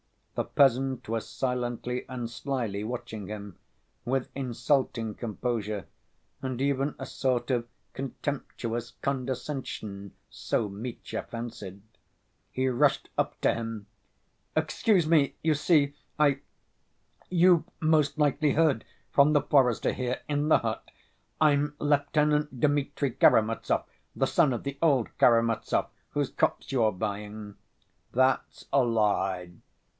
The peasant was silently and slyly watching him, with insulting composure, and even a sort of contemptuous condescension, so Mitya fancied. He rushed up to him. "Excuse me, you see ... I ... you've most likely heard from the forester here in the hut. I'm Lieutenant Dmitri Karamazov, the son of the old Karamazov whose copse you are buying." "That's a lie!"